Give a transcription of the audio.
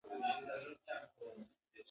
اداري عدالت د مساوات اصل پلي کوي.